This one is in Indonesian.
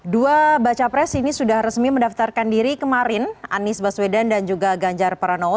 dua baca pres ini sudah resmi mendaftarkan diri kemarin anies baswedan dan juga ganjar pranowo